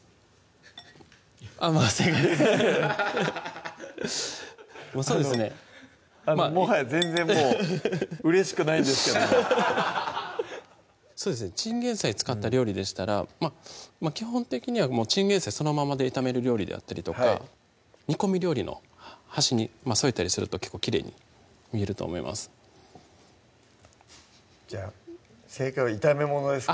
あっまぁ正解あのもはや全然もううれしくないんですけどチンゲン菜使った料理でしたらまぁ基本的にはチンゲン菜そのままで炒める料理であったりとか煮込み料理の端に添えたりすると結構きれいに見えると思いますじゃあ正解は「炒めもの」ですか？